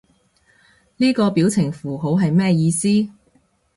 呢個表情符號係咩意思？